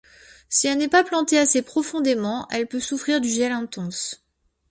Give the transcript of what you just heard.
Si elle n'est pas plantée assez profondément, elle peut souffrir du gel intense.